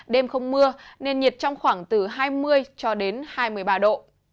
đêm không mưa nền nhiệt trong khoảng từ hai mươi hai mươi ba độ